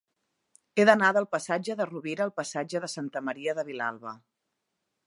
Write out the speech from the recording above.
He d'anar del passatge de Rovira al passatge de Santa Maria de Vilalba.